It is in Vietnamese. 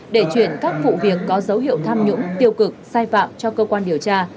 để chuyển các vụ việc có dấu hiệu tham nhũng tiêu cực sai phạm cho cơ quan điều tra